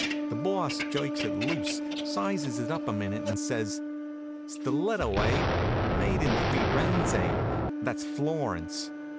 The Boss jerks it loose, sizes it up a minute, and says: "Stiletto, eh? Made in Firenze that's Florence.